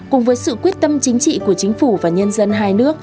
cùng với sự quyết tâm chính trị của chính phủ và nhân dân